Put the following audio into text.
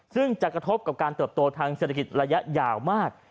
ซึ่งจะกระทบกับการเติบโตทางเศรษฐกิจระยะยาวมาก